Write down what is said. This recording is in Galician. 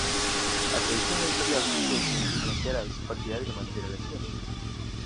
A tradición editorial mostrouse, en liñas xerais, partidaria de manter a lección